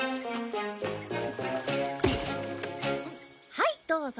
はいどうぞ！